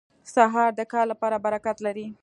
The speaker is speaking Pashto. سهار د کار لپاره برکت لري.